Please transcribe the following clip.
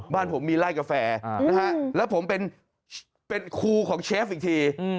บ้านผมมีไล่กาแฟแล้วผมเป็นครูของเชฟอีกที